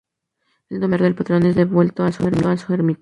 El domingo por la tarde el patrón es devuelto a su ermita.